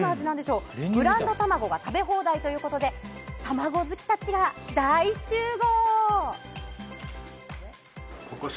ブランドたまごが食べ放題ということで、たまご好きたちが大集合！